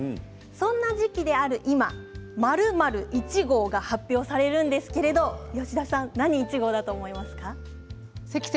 そんな時期である今、○○１号が発表されるんですけれど吉田さん何１号だと思いますか？